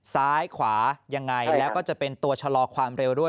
ซ้ายขวายังไงแล้วก็จะเป็นตัวชะลอความเร็วด้วย